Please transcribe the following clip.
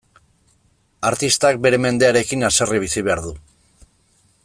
Artistak bere mendearekin haserre bizi behar du.